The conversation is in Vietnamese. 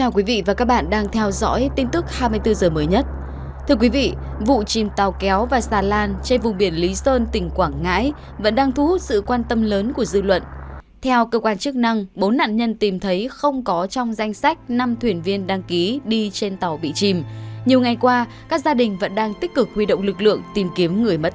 các bạn hãy đăng ký kênh để ủng hộ kênh của chúng mình nhé